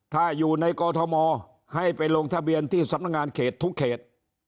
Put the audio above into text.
ถ้าอยู่ในกอทมให้ไปลงทะเบียนที่สำนักงานเขตทุกเขต